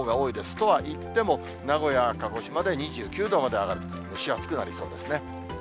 とはいっても、名古屋、鹿児島で２９度まで上がり、蒸し暑くなりそうですね。